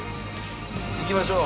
いきましょう。